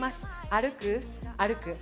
歩く、歩く。